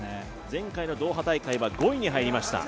前回のドーハ大会は５位に入りました。